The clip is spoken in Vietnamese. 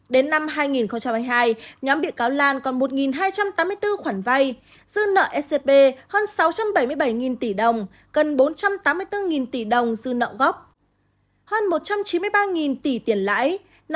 đến năm hai nghìn hai mươi hai nhóm bị cáo lan còn một hai trăm tám mươi bốn khoản vai dư nợ scb hơn sáu trăm bảy mươi bảy tỷ đồng gần bốn trăm tám mươi bốn tỷ đồng dư nợ góp hơn một trăm chín mươi ba tỷ tiền lãi